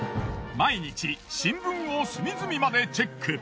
毎日新聞を隅々までチェック。